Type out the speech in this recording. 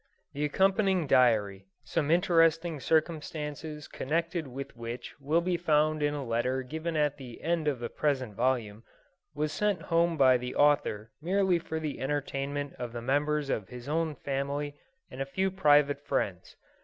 The accompanying diary some interesting circumstances connected with which will be found in a letter given at the end of the present volume was sent home by the Author merely for the entertainment of the members of his own family and a few private friends.